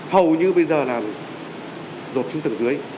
hầu như bây giờ là rột chung tầng dưới